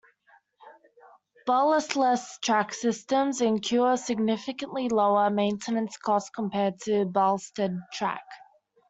Ballastless track systems incur significantly lower maintenance costs compared to ballasted track.